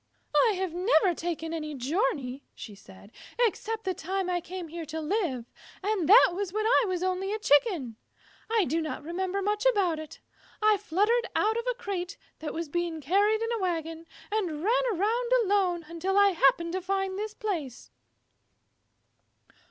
"I have never taken any journey," said she, "except the time I came here to live, and that was when I was only a Chicken. I do not remember much about it. I fluttered out of a crate that was being carried in a wagon, and ran around alone until I happened to find this place."